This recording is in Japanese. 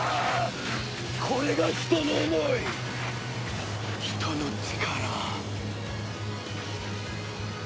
これが人の思い人の力。